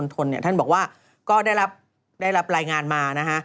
ท่านบอกว่าก็ได้รับรายงานมานะฮะ